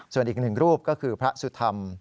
ส่วนอีกหนึ่งรูปก็คือพระสุธรรม